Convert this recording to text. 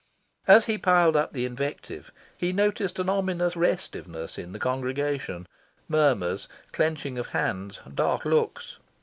As he piled up the invective, he noticed an ominous restiveness in the congregation murmurs, clenching of hands, dark looks.